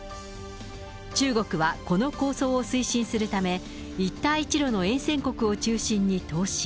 中国はこの構想を推進するため、一帯一路の沿線国を中心に投資。